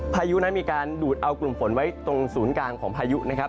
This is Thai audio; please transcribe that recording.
พายุนั้นมีการดูดเอากลุ่มฝนไว้ตรงศูนย์กลางของพายุนะครับ